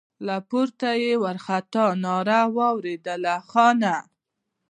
له پورته يې وارخطا ناره واورېده: خانه!